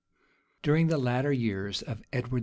} During the latter years of Edward IV.